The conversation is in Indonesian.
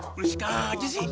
berisik aja sih